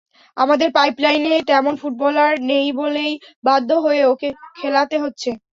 আমাদের পাইপলাইনে তেমন ফুটবলার নেই বলেই বাধ্য হয়ে ওকে খেলাতে হচ্ছে।